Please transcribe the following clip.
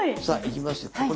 さあいきますよ！